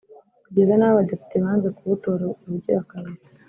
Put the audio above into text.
kugeza n’aho abadepite banze kuwutora ubugira kabiri